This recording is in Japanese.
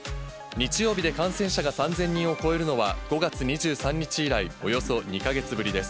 日曜日で感染者が３０００人を超えるのは、５月２３日以来、およそ２か月ぶりです。